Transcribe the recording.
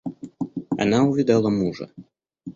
Она увидала мужа.